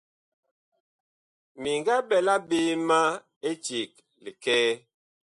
Mi nga ɓɛla ɓe ma éceg likɛɛ.